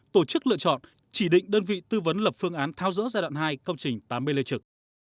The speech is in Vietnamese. tổ chức lựa chọn chỉ định đơn vị tư vấn lập phương án thao dỡ giai đoạn hai công trình tám b lê trực